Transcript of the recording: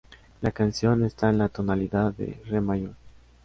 La canción está en la tonalidad de Re mayor.